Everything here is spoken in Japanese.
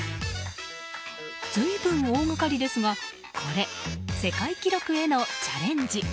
随分、大掛かりですがこれ、世界記録へのチャレンジ。